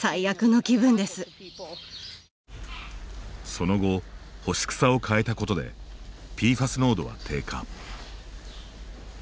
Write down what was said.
その後、干し草を変えたことでＰＦＡＳ濃度は低下。